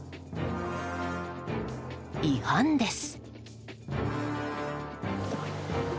違反です。